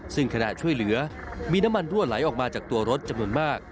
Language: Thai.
ซึ่งขณะช่วยเหลือมีน้ำมันรั่วไหลออกมาจากตัวรถจำนวนมาก